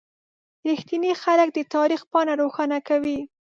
• رښتیني خلک د تاریخ پاڼه روښانه کوي.